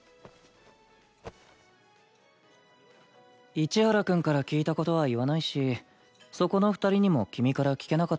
市原くんから聞いた事は言わないしそこの２人にも君から聞けなかったと言う。